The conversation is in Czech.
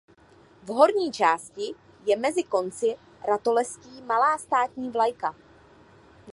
V horní části je mezi konci ratolestí malá státní vlajka.